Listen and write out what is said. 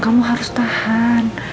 kamu harus tahan